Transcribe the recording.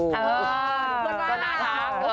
ก็น่ารัก